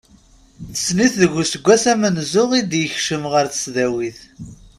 Tessen-it deg useggas amenzu i d-yekcem ɣer tesdawit.